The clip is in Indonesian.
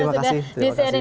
terima kasih terima kasih